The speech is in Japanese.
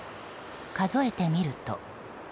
数えてみると。